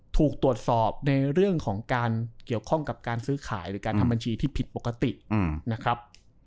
ถูกตรวจสอบในเรื่องของการเกี่ยวข้องกับการซื้อขายหรือการทำบัญชีที่ผิดปกตินะครับ